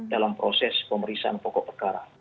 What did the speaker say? dalam proses pemeriksaan pokok perkara